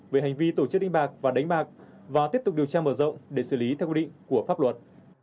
về hành vi tổ chức đánh bạc và đánh bạc và tiếp tục điều tra mở rộng để xử lý theo quy định của pháp luật